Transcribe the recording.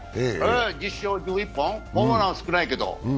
１０勝１１本、ホームランは少ないけど。